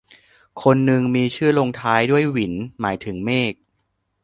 คนนึงมีชื่อลงท้ายด้วยหวิน หมายถึงเมฆ